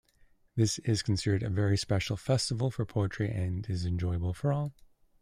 This is considered a very special festival for poetry and is enjoyable for all.